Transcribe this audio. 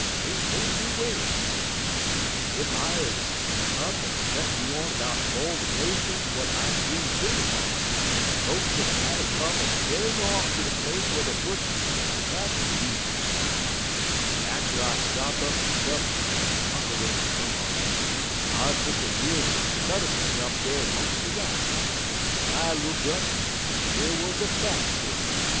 Dey ain't no two ways; ef I uz ter up en let on 'bout all de notions w'at I gits in 'mungs, folks 'ud hatter come en kyar me off ter de place whar dey puts 'stracted people. "Atter I sop up my supper," Uncle Remus went on, "I tuck'n year some flutterments up dar 'mungs de rafters, en I look up, en dar wuz a Bat sailin' 'roun'.